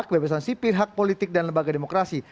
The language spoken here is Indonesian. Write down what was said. kebebasan sipil hak politik dan lembaga demokrasi